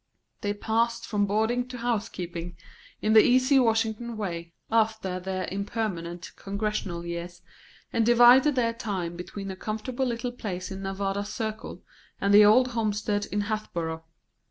They passed from boarding to house keeping, in the easy Washington way, after their impermanent Congressional years, and divided their time between a comfortable little place in Nevada Circle and the old homestead in Hatboro'.